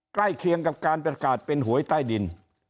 เคียงกับการประกาศเป็นหวยใต้ดิน